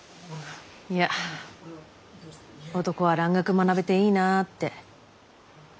いや男は蘭学学べていいなぁって。